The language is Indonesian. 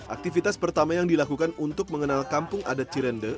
aktivitas pertama yang dilakukan untuk mengenal kampung adat cirende